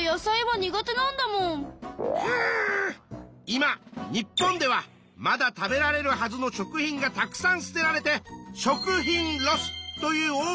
今日本ではまだ食べられるはずの食品がたくさん捨てられて「食品ロス」という大きな問題になっているんだ。